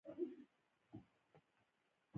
خو خداى جل جلاله دي مو له بدو کارو څخه ساتي.